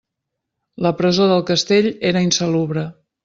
La presó del castell era insalubre.